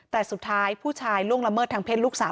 แต่สุดท้ายผู้ชายล่วงละเมิดทางเพศลูกสาว